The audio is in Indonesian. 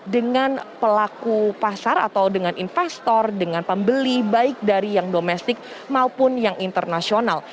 dengan pelaku pasar atau dengan investor dengan pembeli baik dari yang domestik maupun yang internasional